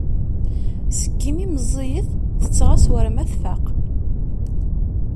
Seg imi meẓẓiyet tettɣas war ma tfaq.